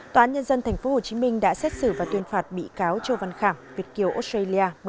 tòa án nhân dân tp hcm đã xét xử và tuyên phạt bị cáo châu văn khảm việt kiều australia